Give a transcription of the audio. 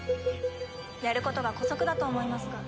やることが姑息だと思いますが。